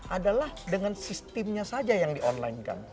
adalah dengan sistemnya saja yang di online kan